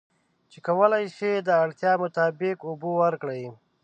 چې کولی شي د اړتیا مطابق اوبه ورکړي.